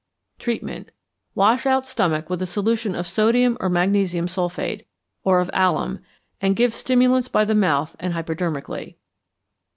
Treatment. Wash out stomach with a solution of sodium or magnesium sulphate, or of alum, and give stimulants by the mouth and hypodermically.